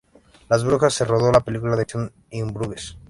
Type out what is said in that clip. En Brujas se rodó la película de acción "In Bruges".